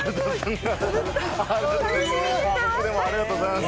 ありがとうございます。